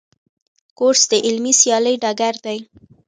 کورس د علمي سیالۍ ډګر دی.